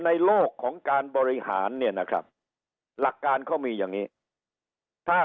ในโลกของการบริหารเนี่ยนะครับหลักการเขามีอย่างนี้ถ้า